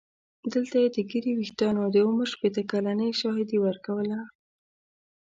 دلته یې د ږیرې ویښتانو د عمر شپېته کلنۍ شاهدي ورکوله.